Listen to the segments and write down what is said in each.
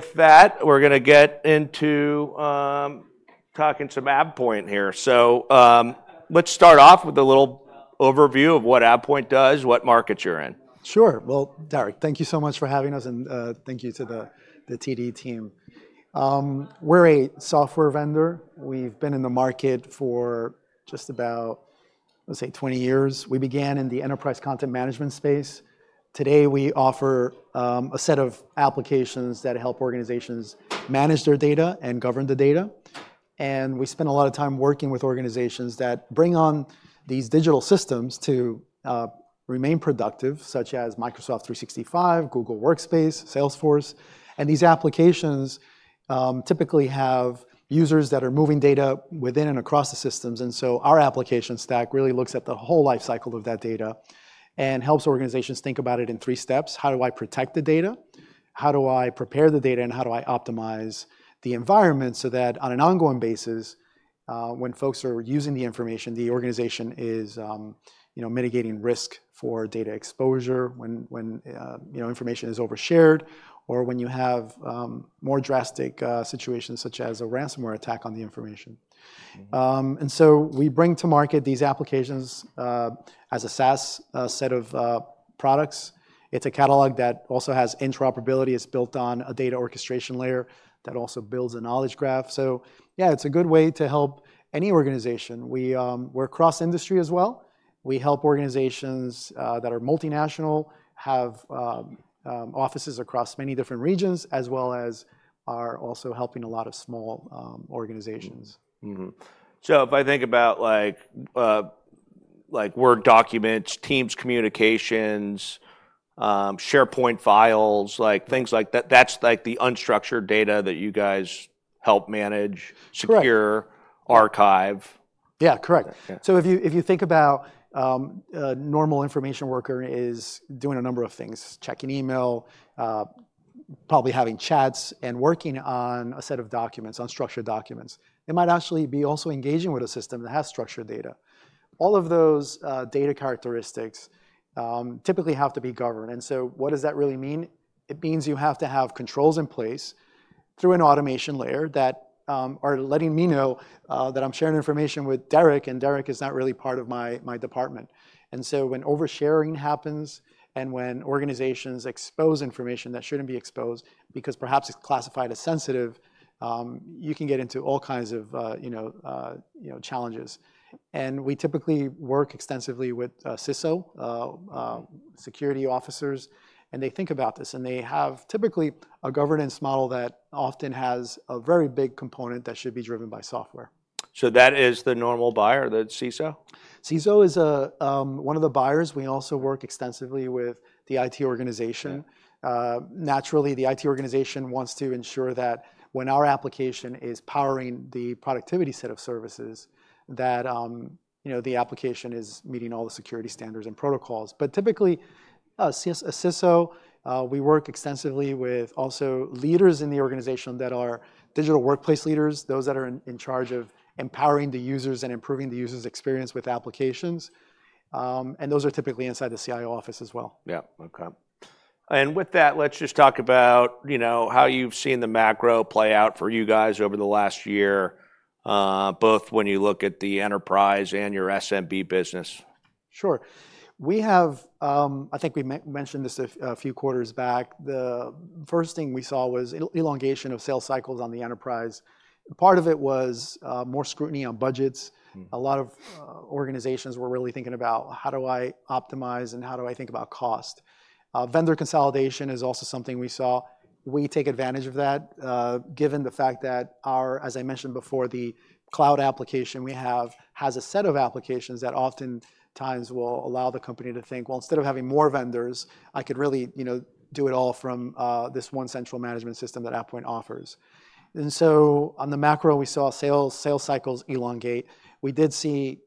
With that, we're gonna get into talking some AvePoint here. Let's start off with a little overview of what AvePoint does, what market you're in. Sure. Well, Derek, thank you so much for having us, and thank you to the TD team. We're a software vendor. We've been in the market for just about, let's say, 20 years. We began in the enterprise content management space. Today we offer a set of applications that help organizations manage their data and govern the data, and we spend a lot of time working with organizations that bring on these digital systems to remain productive, such as Microsoft 365, Google Workspace, Salesforce. These applications typically have users that are moving data within and across the systems. So our application stack really looks at the whole life cycle of that data and helps organizations think about it in three steps: How do I protect the data? How do I prepare the data? How do I optimize the environment so that, on an ongoing basis, when folks are using the information, the organization is, you know, mitigating risk for data exposure when you know, information is overshared, or when you have more drastic situations, such as a ransomware attack on the information? And so we bring to market these applications as a SaaS set of products. It's a catalog that also has interoperability. It's built on a data orchestration layer that also builds a knowledge graph. So yeah, it's a good way to help any organization. We're cross-industry as well. We help organizations that are multinational, have offices across many different regions, as well as are also helping a lot of small organizations. So if I think about, like, Word documents, Teams communications, SharePoint files, like, things like that, that's, like, the unstructured data that you guys help manage secure, archive. Yeah, correct. So if you think about a normal information worker is doing a number of things, checking email, probably having chats, and working on a set of documents, unstructured documents. They might actually be also engaging with a system that has structured data. All of those data characteristics typically have to be governed, and so what does that really mean? It means you have to have controls in place through an automation layer that are letting me know that I'm sharing information with Derek, and Derek is not really part of my department. And so when oversharing happens, and when organizations expose information that shouldn't be exposed, because perhaps it's classified as sensitive, you can get into all kinds of, you know, challenges. We typically work extensively with CISO, security officers, and they think about this, and they have typically a governance model that often has a very big component that should be driven by software. That is the normal buyer, the CISO? CISO is a, one of the buyers. We also work extensively with the IT organization. Naturally, the IT organization wants to ensure that when our application is powering the productivity set of services, that, you know, the application is meeting all the security standards and protocols. But typically, CISO, we work extensively with also leaders in the organization that are digital workplace leaders, those that are in charge of empowering the users and improving the user's experience with applications, and those are typically inside the CIO office as well. Yeah. Okay. With that, let's just talk about, you know, how you've seen the macro play out for you guys over the last year, both when you look at the enterprise and your SMB business. Sure. We have, I think we mentioned this a few quarters back. The first thing we saw was elongation of sales cycles on the enterprise. Part of it was, more scrutiny on budgets. A lot of organizations were really thinking about, "How do I optimize, and how do I think about cost?" Vendor consolidation is also something we saw. We take advantage of that, given the fact that our, as I mentioned before, the cloud application we have has a set of applications that oftentimes will allow the company to think, "Well, instead of having more vendors, I could really, you know, do it all from this one central management system that AvePoint offers." And so on the macro, we saw sales cycles elongate. We did see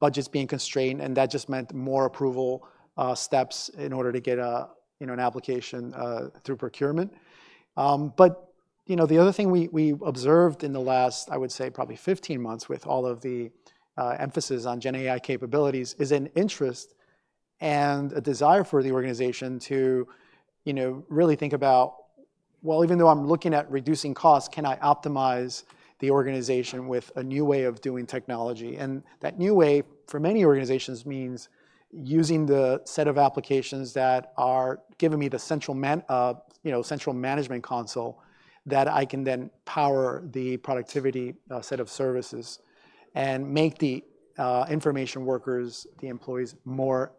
budgets being constrained, and that just meant more approval steps in order to get, you know, an application through procurement. But, you know, the other thing we observed in the last, I would say, probably 15 months, with all of the emphasis on GenAI capabilities, is an interest and a desire for the organization to, you know, really think about, "Well, even though I'm looking at reducing costs, can I optimize the organization with a new way of doing technology?" And that new way, for many organizations, means using the set of applications that are giving me the central management console that I can then power the productivity set of services and make the information workers, the employees, more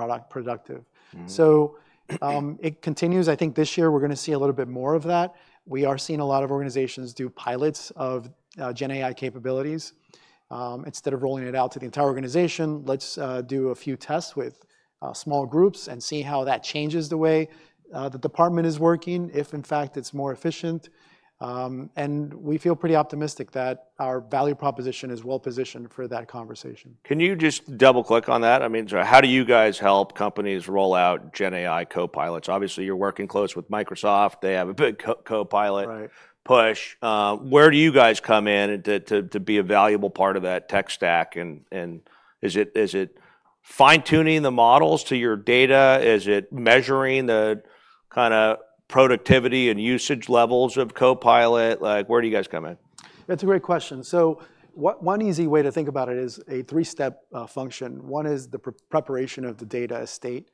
productive. So, it continues. I think this year we're gonna see a little bit more of that. We are seeing a lot of organizations do pilots of GenAI capabilities. Instead of rolling it out to the entire organization, let's do a few tests with small groups and see how that changes the way the department is working, if in fact, it's more efficient. And we feel pretty optimistic that our value proposition is well-positioned for that conversation. Can you just double-click on that? I mean, so how do you guys help companies roll out GenAI copilots? Obviously, you're working close with Microsoft. They have a big co- Copilot push. Where do you guys come in to be a valuable part of that tech stack, and is it fine-tuning the models to your data? Is it measuring the kinda productivity and usage levels of Copilot? Like, where do you guys come in? That's a great question. So one easy way to think about it is a 3-step function. One is the pre-preparation of the data estate.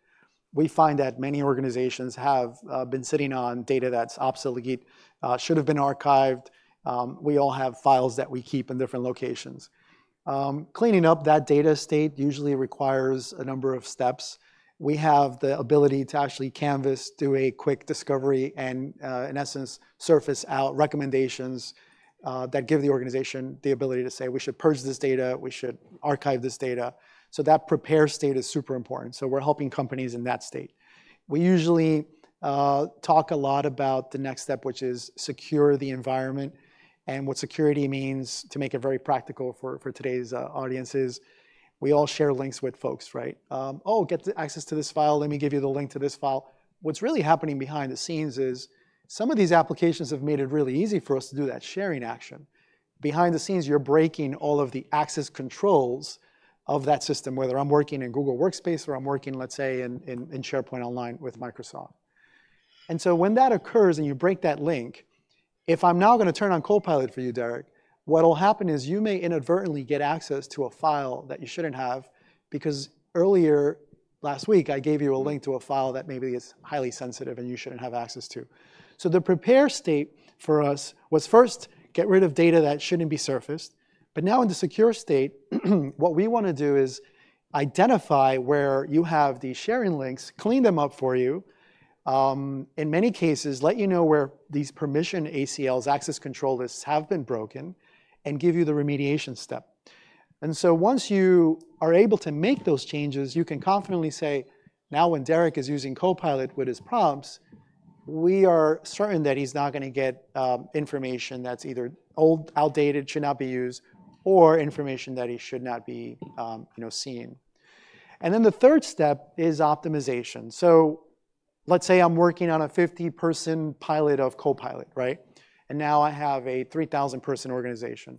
We find that many organizations have been sitting on data that's obsolete, should have been archived. We all have files that we keep in different locations. Cleaning up that data estate usually requires a number of steps. We have the ability to actually canvas, do a quick discovery, and in essence, surface out recommendations that give the organization the ability to say, "We should purge this data. We should archive this data." So that prepare state is super important, so we're helping companies in that state. We usually talk a lot about the next step, which is secure the environment, and what security means, to make it very practical for today's audience, is we all share links with folks, right? "Oh, get the access to this file. Let me give you the link to this file." What's really happening behind the scenes is some of these applications have made it really easy for us to do that sharing action. Behind the scenes, you're breaking all of the access controls of that system, whether I'm working in Google Workspace, or I'm working, let's say, in SharePoint Online with Microsoft. When that occurs, and you break that link, if I'm now gonna turn on Copilot for you, Derek, what'll happen is you may inadvertently get access to a file that you shouldn't have, because earlier last week, I gave you a link to a file that maybe is highly sensitive and you shouldn't have access to. The prepare state for us was first get rid of data that shouldn't be surfaced. Now in the secure state, what we wanna do is identify where you have these sharing links, clean them up for you, in many cases, let you know where these permission ACLs, Access Control Lists, have been broken, and give you the remediation step. And so once you are able to make those changes, you can confidently say, "Now, when Derek is using Copilot with his prompts, we are certain that he's not gonna get information that's either old, outdated, should not be used, or information that he should not be, you know, seeing." And then the third step is optimization. So let's say I'm working on a 50-person pilot of Copilot, right? And now I have a 3,000-person organization.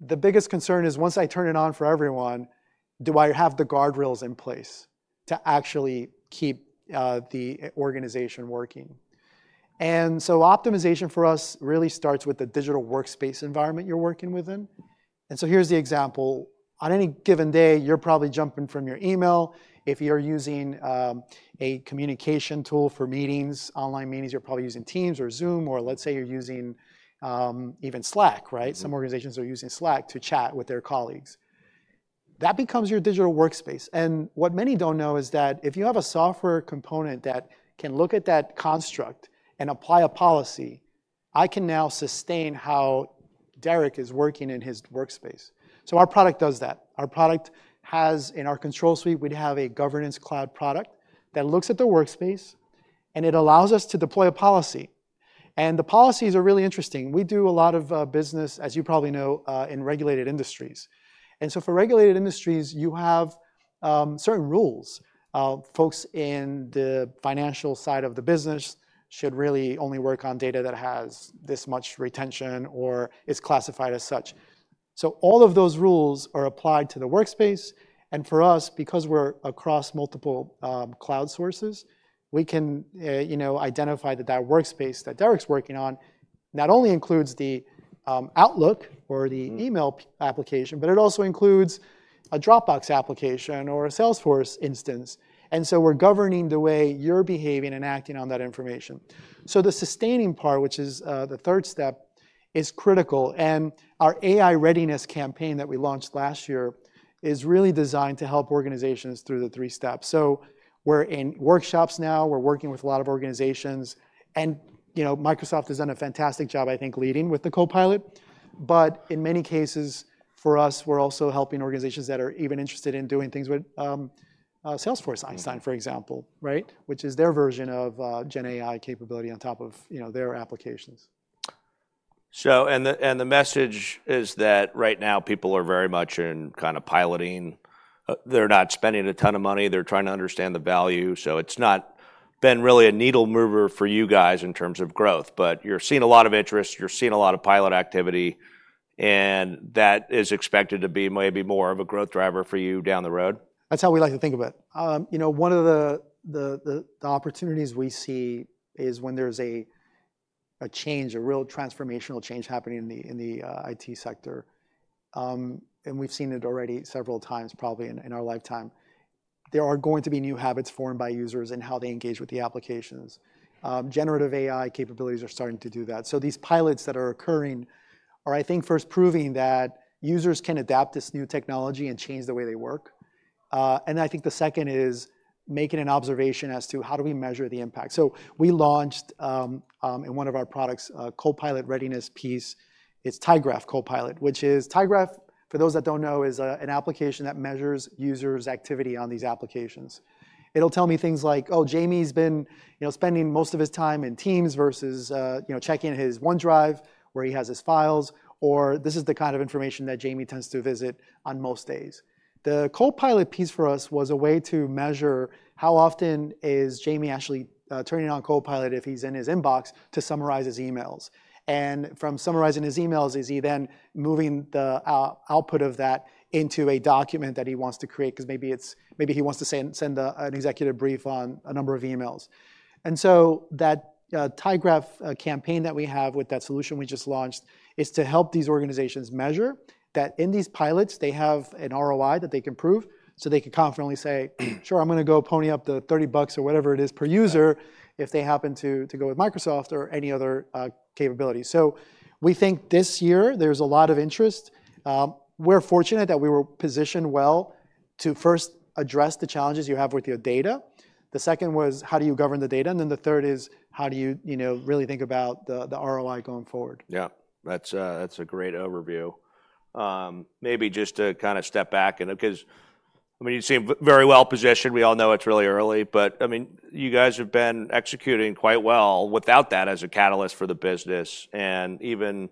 The biggest concern is, once I turn it on for everyone, do I have the guardrails in place to actually keep the organization working? And so optimization for us really starts with the digital workspace environment you're working within. And so here's the example: on any given day, you're probably jumping from your email. If you're using a communication tool for meetings, online meetings, you're probably using Teams or Zoom, or let's say you're using even Slack, right? Some organizations are using Slack to chat with their colleagues. That becomes your digital workspace, and what many don't know is that if you have a software component that can look at that construct and apply a policy, I can now sustain how Derek is working in his workspace. So our product does that. Our product has, in our control suite, we'd have a governance cloud product that looks at the workspace, and it allows us to deploy a policy, and the policies are really interesting. We do a lot of business, as you probably know, in regulated industries. And so for regulated industries, you have certain rules. Folks in the financial side of the business should really only work on data that has this much retention or is classified as such. So all of those rules are applied to the workspace, and for us, because we're across multiple cloud sources, we can, you know, identify that that workspace that Derek's working on not only includes the Outlook or the email application, but it also includes a Dropbox application or a Salesforce instance. And so we're governing the way you're behaving and acting on that information. So the sustaining part, which is, the third step, is critical, and our AI readiness campaign that we launched last year is really designed to help organizations through the three steps. So we're in workshops now. We're working with a lot of organizations, and, you know, Microsoft has done a fantastic job, I think, leading with the Copilot. But in many cases, for us, we're also helping organizations that are even interested in doing things with Salesforce Einstein for example, right? Which is their version of, GenAI capability on top of, you know, their applications. So, the message is that right now people are very much in kinda piloting. They're not spending a ton of money. They're trying to understand the value, so it's not been really a needle mover for you guys in terms of growth. But you're seeing a lot of interest, you're seeing a lot of pilot activity, and that is expected to be maybe more of a growth driver for you down the road? That's how we like to think of it. You know, one of the opportunities we see is when there's a change, a real transformational change happening in the IT sector. And we've seen it already several times probably in our lifetime. There are going to be new habits formed by users and how they engage with the applications. Generative AI capabilities are starting to do that. So these pilots that are occurring are, I think, first proving that users can adapt this new technology and change the way they work. And I think the second is making an observation as to how do we measure the impact? So we launched in one of our products, a Copilot readiness piece. It's tyGraph Copilot, which is tyGraph. For those that don't know, is an application that measures users' activity on these applications. It'll tell me things like, "Oh, Jamie's been, you know, spending most of his time in Teams versus, you know, checking his OneDrive, where he has his files," or, "This is the kind of information that Jamie tends to visit on most days." The Copilot piece for us was a way to measure how often is Jamie actually turning on Copilot if he's in his inbox, to summarize his emails. And from summarizing his emails, is he then moving the output of that into a document that he wants to create? 'Cause maybe he wants to send an executive brief on a number of emails. And so that tyGraph campaign that we have with that solution we just launched is to help these organizations measure that in these pilots they have an ROI that they can prove so they can confidently say, "Sure, I'm gonna go pony up the $30 or whatever it is per user if they happen to go with Microsoft or any other capability." So we think this year there's a lot of interest. We're fortunate that we were positioned well to first address the challenges you have with your data. The second was, how do you govern the data? And then the third is, how do you, you know, really think about the ROI going forward? Yeah, that's a great overview. Maybe just to kind of step back, and 'cause, I mean, you seem very well-positioned. We all know it's really early, but, I mean, you guys have been executing quite well without that as a catalyst for the business. And even,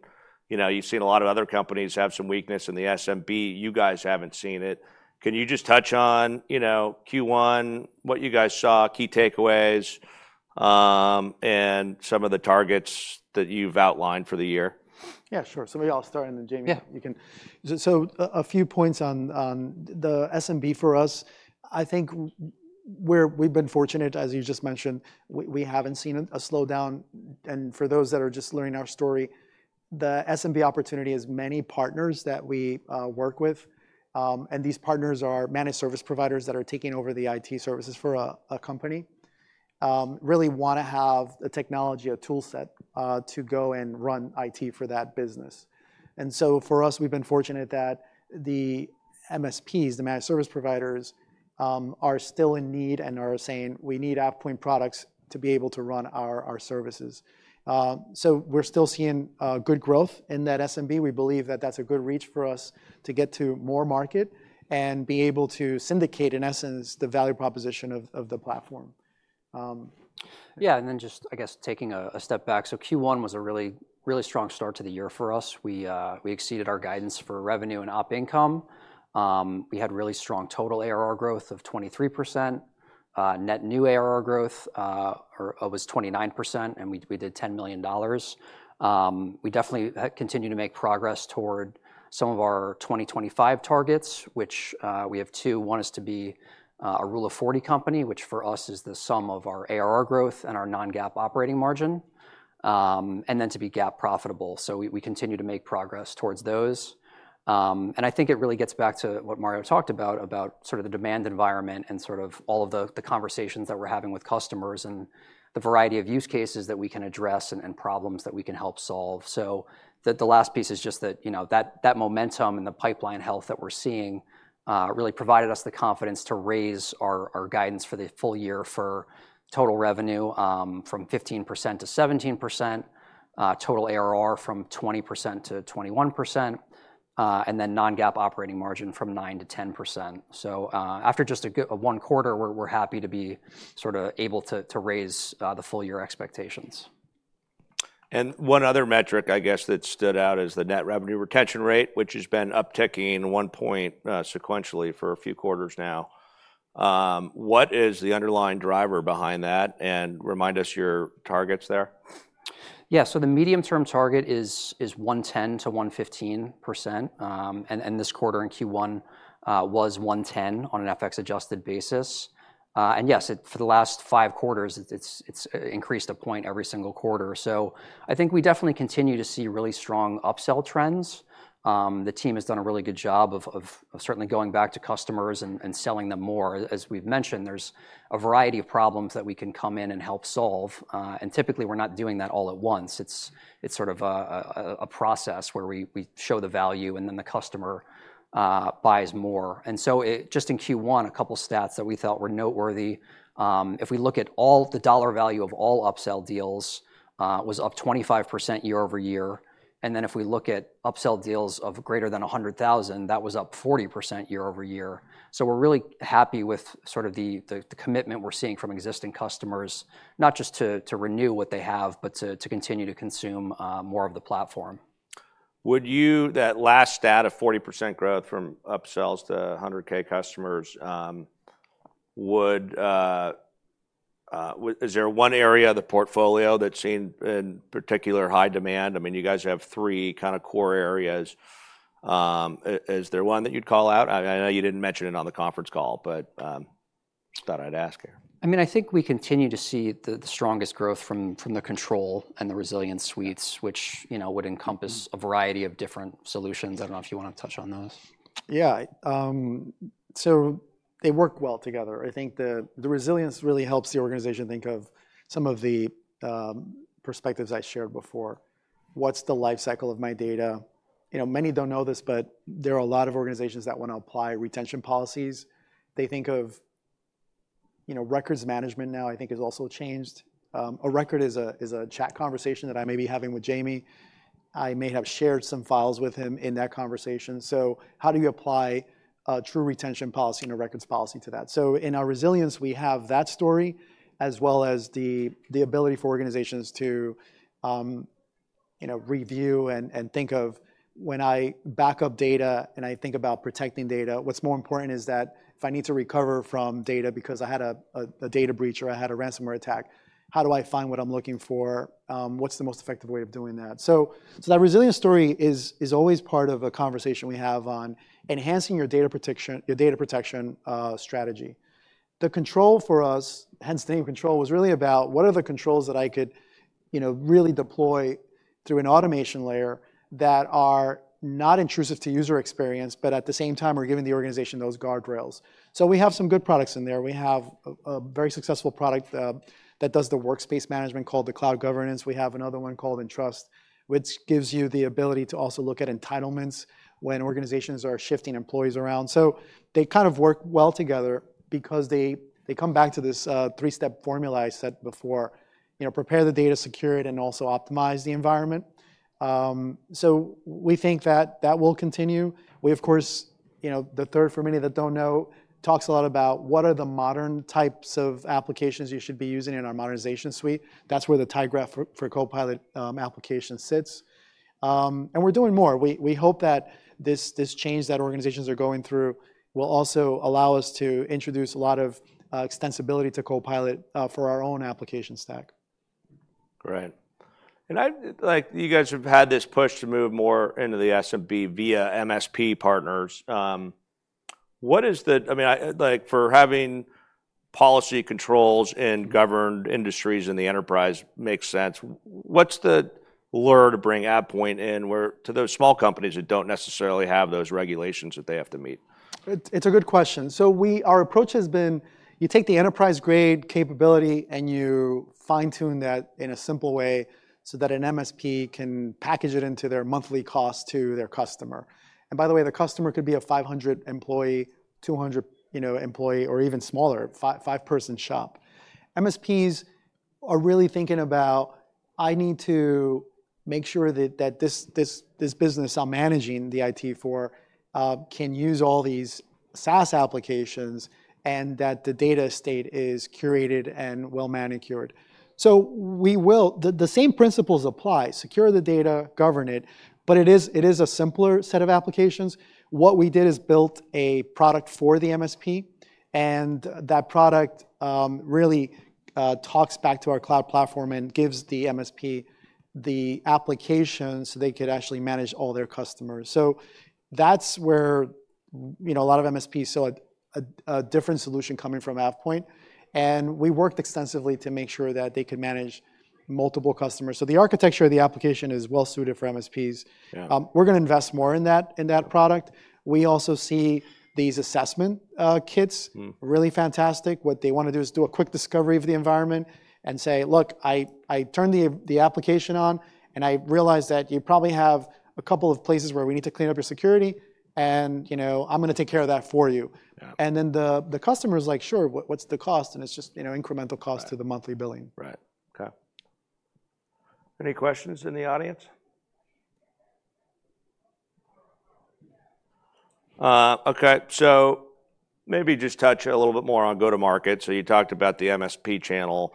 you know, you've seen a lot of other companies have some weakness in the SMB. You guys haven't seen it. Can you just touch on, you know, Q1, what you guys saw, key takeaways, and some of the targets that you've outlined for the year? Yeah, sure. So maybe I'll start, and then, Jamie? Yeah. So a few points on the SMB for us, I think we've been fortunate, as you just mentioned, we haven't seen a slowdown. And for those that are just learning our story, the SMB opportunity has many partners that we work with. And these partners are managed service providers that are taking over the IT services for a company. Really wanna have a technology, a tool set, to go and run IT for that business. And so for us, we've been fortunate that the MSPs, the managed service providers, are still in need and are saying, "We need AvePoint products to be able to run our services." So we're still seeing good growth in that SMB. We believe that that's a good reach for us to get to more market and be able to syndicate, in essence, the value proposition of, of the platform. Yeah, and then just, I guess, taking a step back, so Q1 was a really, really strong start to the year for us. We exceeded our guidance for revenue and op income. We had really strong total ARR growth of 23%, net new ARR growth was 29%, and we did $10 million. We definitely continue to make progress toward some of our 2025 targets, which we have two. One is to be a rule of 40 company, which for us is the sum of our ARR growth and our non-GAAP operating margin, and then to be GAAP profitable. So we continue to make progress towards those. And I think it really gets back to what Mario talked about, about sort of the demand environment and sort of all of the, the conversations that we're having with customers, and the variety of use cases that we can address, and, and problems that we can help solve. So the, the last piece is just that, you know, that, that momentum and the pipeline health that we're seeing, really provided us the confidence to raise our, our guidance for the full year for total revenue, from 15%-17%, total ARR from 20%-21%, and then non-GAAP operating margin from 9%-10%. So, after just one quarter, we're, we're happy to be sort of able to, to raise, the full year expectations. One other metric, I guess, that stood out is the net revenue retention rate, which has been upticking one point sequentially for a few quarters now. What is the underlying driver behind that? And remind us your targets there. Yeah, so the medium-term target is 110%-115%. And this quarter in Q1 was 110% on an FX adjusted basis. And yes, for the last five quarters, it's increased a point every single quarter. So I think we definitely continue to see really strong upsell trends. The team has done a really good job of certainly going back to customers and selling them more. As we've mentioned, there's a variety of problems that we can come in and help solve. And typically, we're not doing that all at once. It's sort of a process where we show the value, and then the customer buys more. And so just in Q1, a couple of stats that we felt were noteworthy, if we look at all the dollar value of all upsell deals, was up 25% year-over-year. And then if we look at upsell deals of greater than $100,000, that was up 40% year-over-year. So we're really happy with sort of the commitment we're seeing from existing customers, not just to renew what they have, but to continue to consume more of the platform. That last stat of 40% growth from upsells to 100,000 customers, is there one area of the portfolio that's seen in particular high demand? I mean, you guys have three kind of core areas. Is there one that you'd call out? I know you didn't mention it on the conference call, but thought I'd ask here. I mean, I think we continue to see the strongest growth from the Control and the Resilience suites, which, you know, would encompass a variety of different solutions. I don't know if you wanna touch on those. Yeah, so they work well together. I think the resilience really helps the organization think of some of the perspectives I shared before. What's the life cycle of my data? You know, many don't know this, but there are a lot of organizations that want to apply retention policies. They think of, you know, records management now, I think, has also changed. A record is a chat conversation that I may be having with Jamie. I may have shared some files with him in that conversation. So how do you apply a true retention policy and a records policy to that? So in our resilience, we have that story, as well as the ability for organizations to, you know, review and think of when I back up data and I think about protecting data, what's more important is that if I need to recover from data because I had a data breach or I had a ransomware attack, how do I find what I'm looking for? What's the most effective way of doing that? So that Resilience story is always part of a conversation we have on enhancing your data protection strategy. The Control for us, hence the name control, was really about what are the controls that I could, you know, really deploy through an automation layer that are not intrusive to user experience, but at the same time, we're giving the organization those guardrails. So we have some good products in there. We have a very successful product that does the workspace management called the Cloud Governance. We have another one called EnTrust, which gives you the ability to also look at entitlements when organizations are shifting employees around. So they kind of work well together because they come back to this three-step formula I said before. You know, prepare the data, secure it, and also optimize the environment. So we think that that will continue. We, of course, you know, the third, for many that don't know, talks a lot about what are the modern types of applications you should be using in our Modernization suite. That's where the tyGraph for Copilot application sits. And we're doing more. We hope that this change that organizations are going through will also allow us to introduce a lot of extensibility to Copilot for our own application stack. Great. And like, you guys have had this push to move more into the SMB via MSP partners. What is the, I mean, like, for having policy controls in governed industries in the enterprise makes sense. What's the lure to bring AvePoint in, where, to those small companies that don't necessarily have those regulations that they have to meet? It's a good question. So our approach has been, you take the enterprise-grade capability, and you fine-tune that in a simple way so that an MSP can package it into their monthly cost to their customer. And by the way, the customer could be a 500-employee, 200, you know, employee, or even smaller, 5-person shop. MSPs are really thinking about, I need to make sure that this business I'm managing the IT for can use all these SaaS applications, and that the data estate is curated and well-manicured. The same principles apply: secure the data, govern it, but it is a simpler set of applications. What we did is built a product for the MSP, and that product, really, talks back to our cloud platform and gives the MSP the application so they could actually manage all their customers. So that's where, you know, a lot of MSPs saw a different solution coming from AvePoint, and we worked extensively to make sure that they could manage multiple customers. So the architecture of the application is well suited for MSPs. We're gonna invest more in that, in that product. We also see these assessment kits, really fantastic. What they want to do is do a quick discovery of the environment and say, "Look, I turned the application on, and I realized that you probably have a couple of places where we need to clean up your security, and, you know, I'm gonna take care of that for you. And then the customer is like: "Sure, what's the cost?" And it's just, you know, incremental cost to the monthly billing. Right. Okay. Any questions in the audience? Okay, so maybe just touch a little bit more on go-to-market. So you talked about the MSP channel.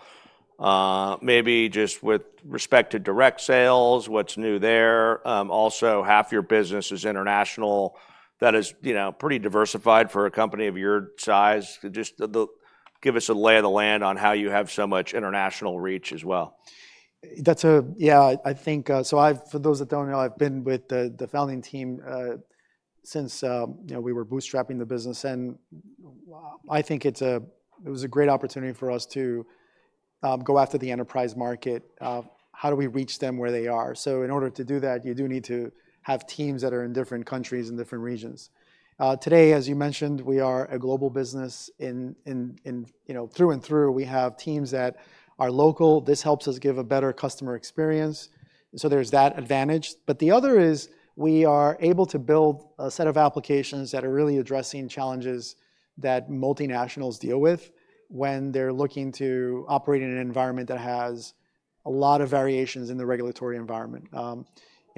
Maybe just with respect to direct sales, what's new there? Also, half your business is international. That is, you know, pretty diversified for a company of your size. Just give us a lay of the land on how you have so much international reach as well. Yeah, I think so I've been with the founding team since you know we were bootstrapping the business, and I think it was a great opportunity for us to go after the enterprise market. How do we reach them where they are? So in order to do that, you do need to have teams that are in different countries and different regions. Today, as you mentioned, we are a global business. You know, through and through, we have teams that are local. This helps us give a better customer experience, so there's that advantage. But the other is, we are able to build a set of applications that are really addressing challenges that multinationals deal with when they're looking to operate in an environment that has a lot of variations in the regulatory environment. You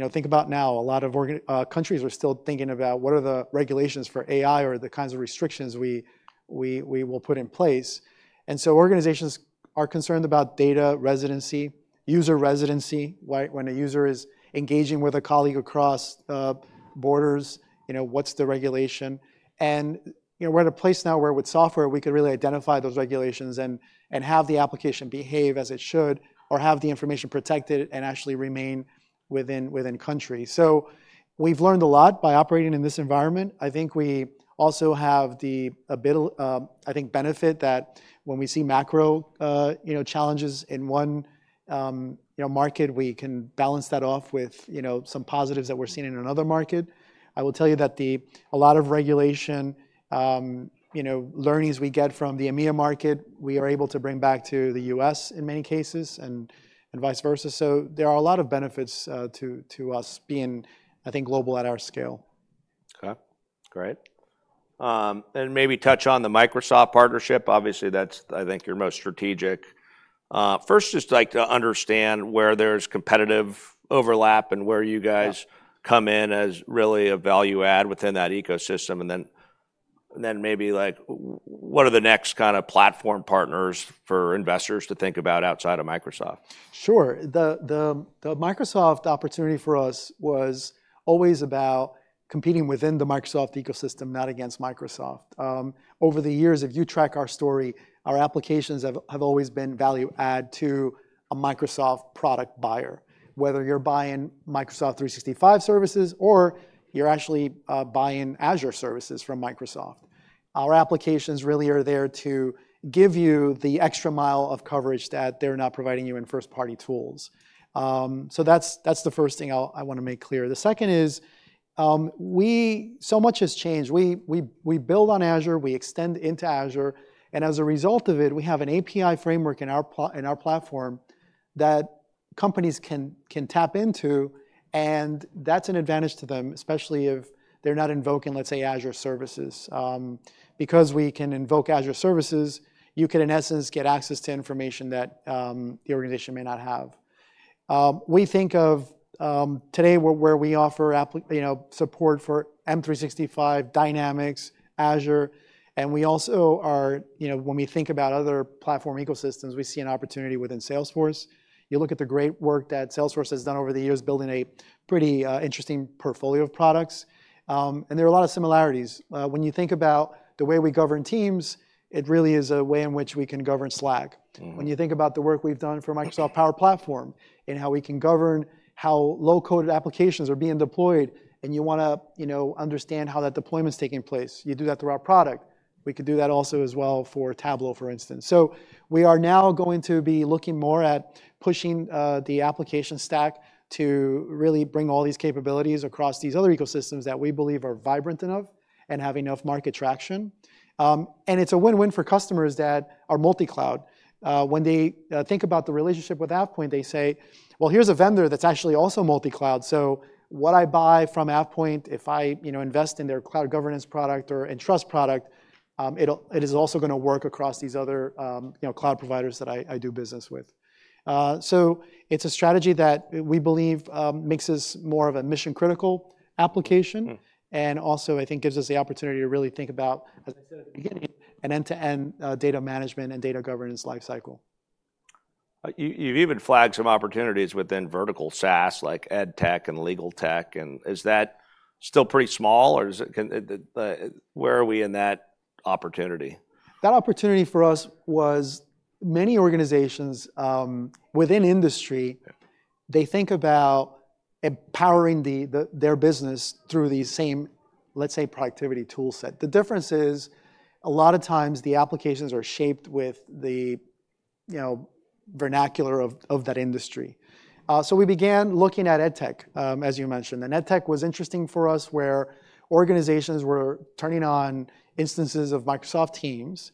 know, think about now, a lot of countries are still thinking about what are the regulations for AI or the kinds of restrictions we will put in place. And so organizations are concerned about data residency, user residency, right? When a user is engaging with a colleague across borders, you know, what's the regulation? And, you know, we're at a place now where with software, we can really identify those regulations and have the application behave as it should, or have the information protected and actually remain within country. So we've learned a lot by operating in this environment. I think we also have the benefit that when we see macro, you know, challenges in one, you know, market, we can balance that off with, you know, some positives that we're seeing in another market. I will tell you that a lot of regulation, you know, learnings we get from the EMEA market, we are able to bring back to the U.S. in many cases and vice versa. So there are a lot of benefits to us being, I think, global at our scale. Okay, great. And maybe touch on the Microsoft partnership. Obviously, that's, I think, your most strategic. First, just like to understand where there's competitive overlap and where you guys come in as really a value add within that ecosystem, and then maybe, like, what are the next kind of platform partners for investors to think about outside of Microsoft? Sure. The Microsoft opportunity for us was always about competing within the Microsoft ecosystem, not against Microsoft. Over the years, if you track our story, our applications have always been value add to a Microsoft product buyer, whether you're buying Microsoft 365 services or you're actually buying Azure services from Microsoft. Our applications really are there to give you the extra mile of coverage that they're not providing you in first-party tools. So that's the first thing I wanna make clear. The second is, so much has changed. We build on Azure, we extend into Azure, and as a result of it, we have an API framework in our platform that companies can tap into, and that's an advantage to them, especially if they're not invoking, let's say, Azure services. Because we can invoke Azure services, you can, in essence, get access to information that the organization may not have. We think of today, where we offer, you know, support for M 365, Dynamics, Azure, and we also are, you know, when we think about other platform ecosystems, we see an opportunity within Salesforce. You look at the great work that Salesforce has done over the years, building a pretty interesting portfolio of products. And there are a lot of similarities. When you think about the way we govern teams, it really is a way in which we can govern Slack. When you think about the work we've done for Microsoft Power Platform, and how we can govern how low-code applications are being deployed, and you wanna, you know, understand how that deployment's taking place, you do that through our product. We could do that also as well for Tableau, for instance. So we are now going to be looking more at pushing the application stack to really bring all these capabilities across these other ecosystems that we believe are vibrant enough and have enough market traction. And it's a win-win for customers that are multi-cloud. When they think about the relationship with AvePoint, they say, "Well, here's a vendor that's actually also multi-cloud. So what I buy from AvePoint, if I, you know, invest in their Cloud Governance product or EnTrust product, it is also gonna work across these other, you know, cloud providers that I do business with." So it's a strategy that we believe makes us more of a mission-critical application and also, I think, gives us the opportunity to really think about, as I said at the beginning, an end-to-end data management and data governance life cycle. You've even flagged some opportunities within Vertical SaaS, like EdTech and LegalTech, and is that still pretty small, or is it, where are we in that opportunity? That opportunity for us was many organizations within industry they think about empowering their business through the same, let's say, productivity tool set. The difference is, a lot of times, the applications are shaped with the, you know, vernacular of that industry. So we began looking at EdTech, as you mentioned, and EdTech was interesting for us, where organizations were turning on instances of Microsoft Teams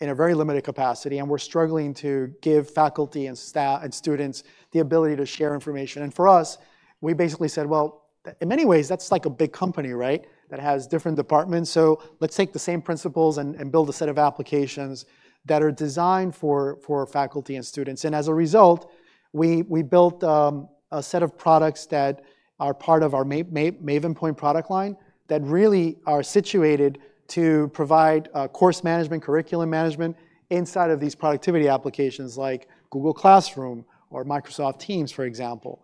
in a very limited capacity, and were struggling to give faculty and staff and students the ability to share information. And for us, we basically said: "Well, in many ways, that's like a big company, right? That has different departments. So let's take the same principles and build a set of applications that are designed for faculty and students." And as a result, we built a set of products that are part of our MaivenPoint product line that really are situated to provide course management, curriculum management inside of these productivity applications, like Google Classroom or Microsoft Teams, for example.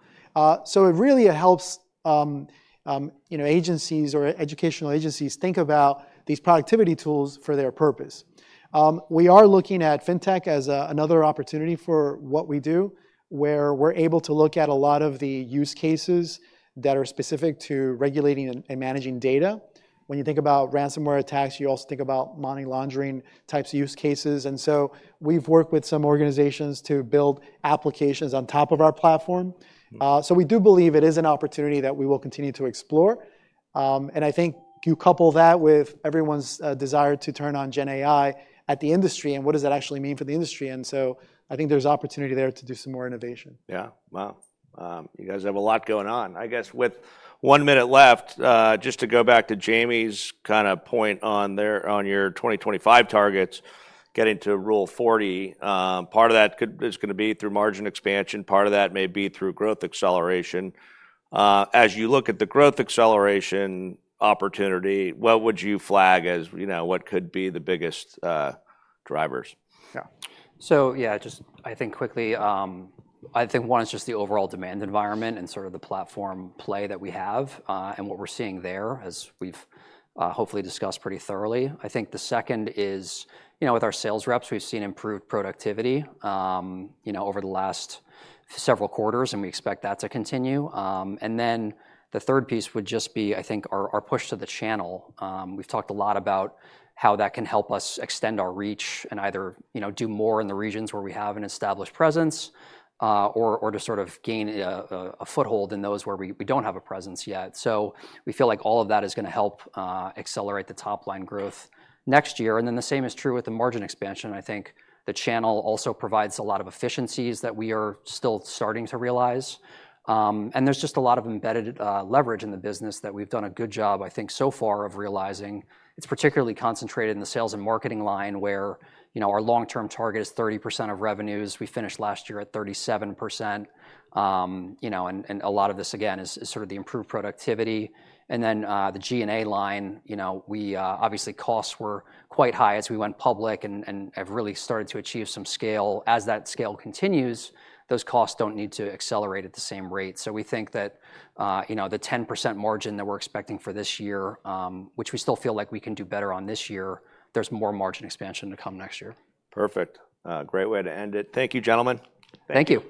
So it really helps you know, agencies or educational agencies think about these productivity tools for their purpose. We are looking at Fintech as another opportunity for what we do, where we're able to look at a lot of the use cases that are specific to regulating and managing data. When you think about ransomware attacks, you also think about money laundering types of use cases, and so we've worked with some organizations to build applications on top of our platform. So we do believe it is an opportunity that we will continue to explore. And I think you couple that with everyone's desire to turn on GenAI at the industry, and what does that actually mean for the industry? And so I think there's opportunity there to do some more innovation. Yeah. Wow. You guys have a lot going on. I guess with one minute left, just to go back to Jamie's kinda point on there, on your 2025 targets, getting to Rule of 40, part of that could, is gonna be through margin expansion, part of that may be through growth acceleration. As you look at the growth acceleration opportunity, what would you flag as, you know, what could be the biggest, drivers? Yeah. So yeah, just I think quickly, I think one is just the overall demand environment and sort of the platform play that we have, and what we're seeing there, as we've hopefully discussed pretty thoroughly. I think the second is, you know, with our sales reps, we've seen improved productivity, you know, over the last several quarters, and we expect that to continue. And then the third piece would just be, I think, our push to the channel. We've talked a lot about how that can help us extend our reach and either, you know, do more in the regions where we have an established presence, or to sort of gain a foothold in those where we don't have a presence yet. So we feel like all of that is gonna help accelerate the top-line growth next year. And then the same is true with the margin expansion. I think the channel also provides a lot of efficiencies that we are still starting to realize. And there's just a lot of embedded leverage in the business that we've done a good job, I think, so far, of realizing. It's particularly concentrated in the sales and marketing line, where, you know, our long-term target is 30% of revenues. We finished last year at 37%. You know, and a lot of this again is sort of the improved productivity. And then the G&A line, you know, we obviously costs were quite high as we went public and have really started to achieve some scale. As that scale continues, those costs don't need to accelerate at the same rate. So we think that, you know, the 10% margin that we're expecting for this year, which we still feel like we can do better on this year, there's more margin expansion to come next year. Perfect. Great way to end it. Thank you, gentlemen. Thank you.